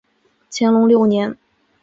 乾隆六年。